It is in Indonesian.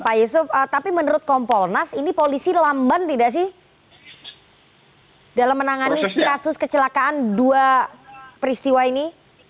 pak yusuf tapi menurut kompolnas ini polisi lamban tidak sih dalam menangani kasus kecelakaan dua peristiwa ini